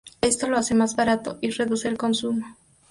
Esto lo hace más barato y reduce el consumo.